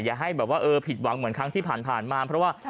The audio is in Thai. อย่าให้ผิดหวังเหมือนครั้งที่ผ่านมาเพราะว่า